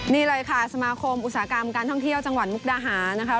นี่เลยค่ะสมาคมอุตสาหกรรมการท่องเที่ยวจังหวัดมุกดาหารนะคะ